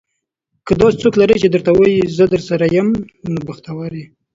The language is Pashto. که داسې څوک لرې چې درته وايي, زه درسره یم. نو بختور یې.